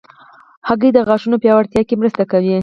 هګۍ د غاښونو پیاوړتیا کې مرسته کوي.